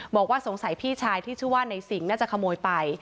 บอกว่าสงสัยพี่ชายที่ชื่อว่าในสิงห์น่าจะขโมยไป